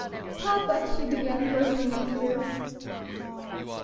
"Papa " she began, bursting into tears.